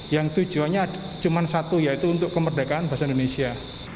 yang tujuannya cuma satu yaitu untuk kemerdekaan bahasa indonesia